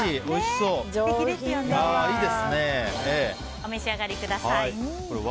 おいしい！